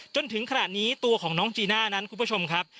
จนถึงขณะนี้ตัวของน้องจีน่านั้นคุณผู้ชมครับ